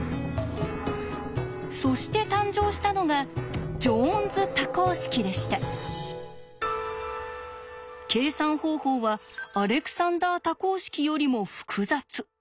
そして誕生したのが計算方法はアレクサンダー多項式よりも複雑。